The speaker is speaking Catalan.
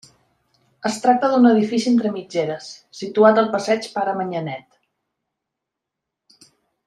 Es tracta d'un edifici entre mitgeres, situat al Passeig Pare Manyanet.